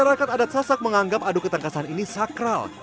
masyarakat adat sasak menganggap adu ketangkasan ini sakral